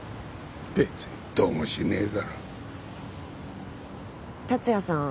別にどうもしねえだろ達也さん